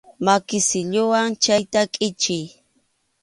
Maki silluwan chayta kʼichiy.